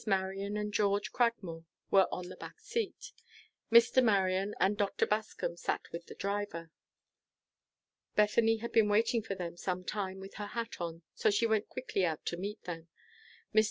Marion and George Cragmore were on the back seat. Mr. Marion and Dr. Bascom sat with the driver. Bethany had been waiting for them some time with her hat on, so she went quickly out to meet them. Mr.